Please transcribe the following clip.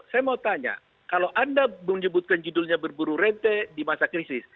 saya mau tanya kalau anda menyebutkan judulnya berburu rente di masa krisis